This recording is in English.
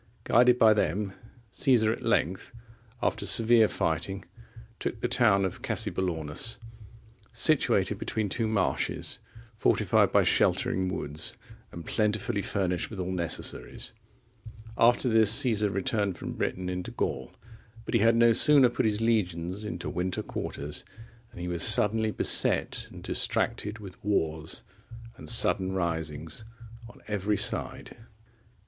Guided by them, Caesar at length, after severe fighting, took the town of Cassobellaunus,(37) situated between two marshes, fortified by sheltering woods, and plentifully furnished with all necessaries. After this, Caesar returned from Britain into Gaul, but he had no sooner put his legions into winter quarters, than he was suddenly beset and distracted with wars and sudden risings on every side.